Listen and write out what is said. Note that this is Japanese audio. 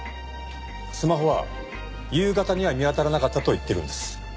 スマホは夕方には見当たらなかったと言ってるんです。